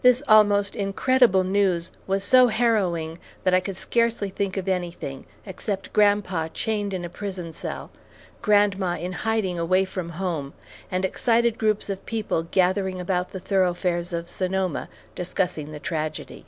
This almost incredible news was so harrowing that I could scarcely think of anything, except grandpa chained in a prison cell, grandma in hiding away from home, and excited groups of people gathering about the thoroughfares of Sonoma discussing the tragedy.